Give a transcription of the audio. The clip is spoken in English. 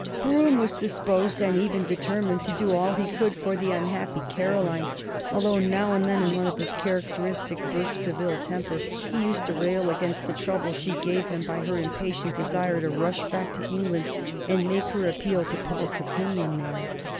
Brougham was disposed, and even determined, to do all he could for the unhappy Caroline, although now and then in one of his characteristic bursts of ill temper he used to rail against the trouble she gave him by her impatient desire to rush back to England and make her appeal to public opinion there.